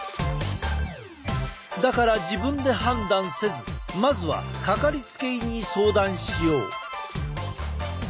だから自分で判断せずまずは掛かりつけ医に相談しよう。